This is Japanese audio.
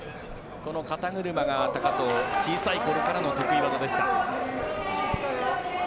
この肩車が高藤は小さい頃からの得意技でした。